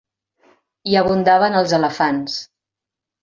Hi abundaven els elefants.